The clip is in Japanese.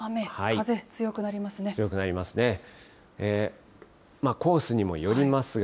強くなりますね。